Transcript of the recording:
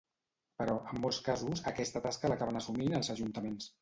Però, en molts casos, aquesta tasca l'acaben assumint els ajuntaments.